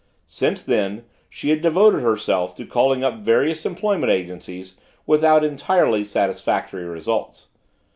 Since then, she had devoted herself to calling up various employment agencies without entirely satisfactory results.